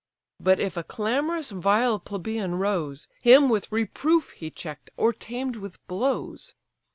But if a clamorous vile plebeian rose, Him with reproof he check'd or tamed with blows.